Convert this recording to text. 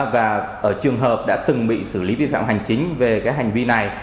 và ở trường hợp đã từng bị xử lý vi phạm hành chính về cái hành vi này